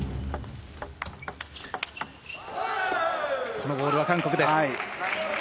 このボールは韓国です。